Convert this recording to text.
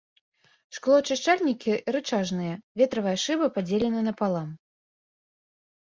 Шклоачышчальнікі рычажныя, ветравая шыба падзелена напалам.